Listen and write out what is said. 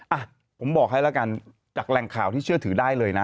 อ่ะผมบอกให้แล้วกันจากแหล่งข่าวที่เชื่อถือได้เลยนะ